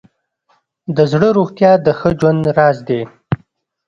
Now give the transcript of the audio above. د زړه روغتیا د ښه ژوند راز دی.